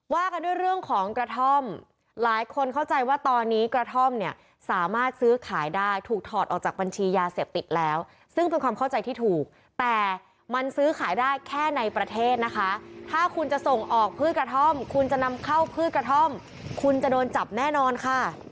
ว่ากันด้วยเรื่องของกระท่อมหลายคนเข้าใจว่าตอนนี้กระท่อมเนี่ยสามารถซื้อขายได้ถูกถอดออกจากบัญชียาเสพติดแล้วซึ่งเป็นความเข้าใจที่ถูกแต่มันซื้อขายได้แค่ในประเทศนะคะถ้าคุณจะส่งออกพืชกระท่อมคุณจะนำเข้าพืชกระท่อมคุณจะโดนจับแน่นอนค่ะ